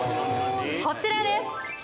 こちらです